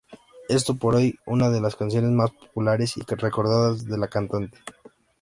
Es por hoy, una de las canciones más populares y recordadas de la cantante.